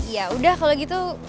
yaudah kalo gitu